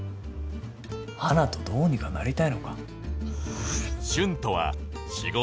花とどうにかなりたいのか？